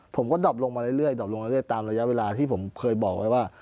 ผมก็ดอบลงมาเรื่อยดอบลงมาเรื่อยตามระยะเวลาที่ผมเคยบอกไว้ว่า